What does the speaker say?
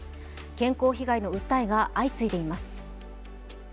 健康被害の訴えが相次いでいます。